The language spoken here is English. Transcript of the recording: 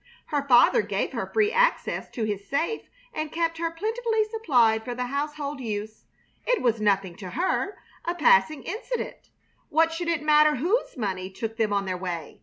Her father gave her free access to his safe, and kept her plentifully supplied for the household use. It was nothing to her a passing incident. What should it matter whose money took them on their way?